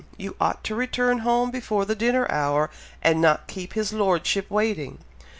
you ought to return home before the dinner hour, and not keep his Lordship waiting!"